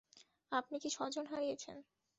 আপনি কি স্বজন হারিয়েছেন?